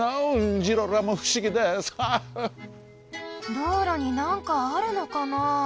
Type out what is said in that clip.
道路になんかあるのかな？